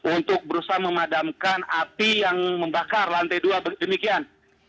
untuk berusaha memadamkan api yang membakar lantai dua demikian